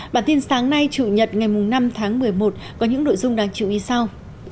bản tin sáng nay chủ nhật ngày năm tháng một mươi một có những nội dung đáng chú ý sau